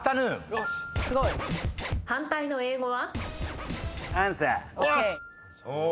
反対の英語は？